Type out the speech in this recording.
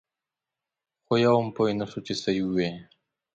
خو یو هم پوی نه شو چې څه یې ووې.